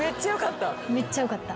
めっちゃよかった。